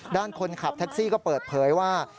ด้านคนขับแท็กซี่ก็เปิดเผยว่า